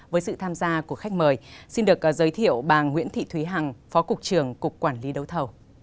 với sự tham gia của khách mời xin được giới thiệu bà nguyễn thị thúy hằng phó cục trưởng cục quản lý đấu thầu